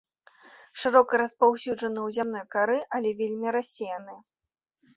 Шырока распаўсюджаны ў зямной кары, але вельмі рассеяны.